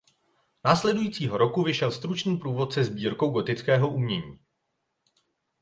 Následujícího roku vyšel stručný průvodce sbírkou gotického umění.